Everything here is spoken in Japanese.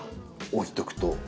置いとくと。